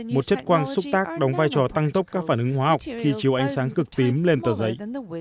một chất quang xúc tác đóng vai trò tăng tốc các phản ứng hóa học khi chiếu ánh sáng cực tím lên tờ giấy